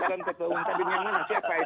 sekarang ketua umum kadin yang mana siapa itu